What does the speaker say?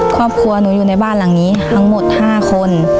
ครอบครัวหนูอยู่ในบ้านหลังนี้ทั้งหมด๕คน